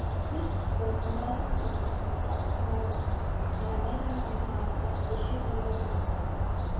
This was another difficulty, but a small one, and I made up my mind that it should be overcome.